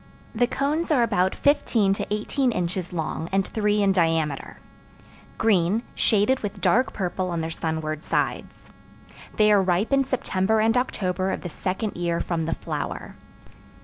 The cones are about fifteen to eighteen inches long, and three in diameter; green, shaded with dark purple on their sunward sides. They are ripe in September and October of the second year from the flower.